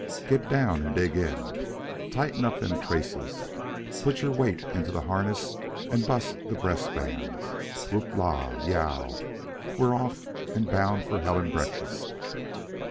Get down and dig in! Tighten up them traces! Put your weight into the harness and bust the breast bands! Whoop la! Yow! We're off and bound for Helen Breakfast!